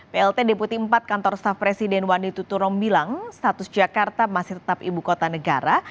plt deputi empat kantor staf presiden wanituturombilang status jakarta masih tetap ibu kota negara